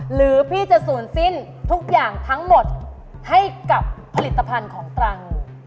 หรือพี่จะศูนย์สิ้นทุกอย่างทั้งหมดให้กับผลิตภัณฑ์ของตรัง